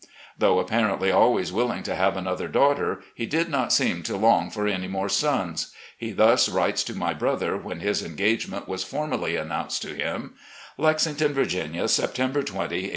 Though apparently always willing to have another daughter, he did not seem to long for any more sons. He thus writes to my brother when his engagement was formally an nounced to him: "Lexington, Virginia, September 20, 1867.